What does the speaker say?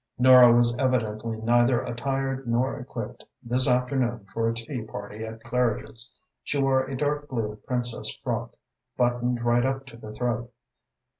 Nora was evidently neither attired nor equipped this afternoon for a tea party at Claridge's. She wore a dark blue princess frock, buttoned right up to the throat.